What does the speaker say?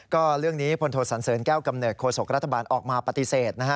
ก็เรื่องนี้พลโทสันเสริญแก้วกำเนิดโศกรัฐบาลออกมาปฏิเสธนะฮะ